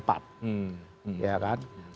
pada waktu itu kita bisa mencapai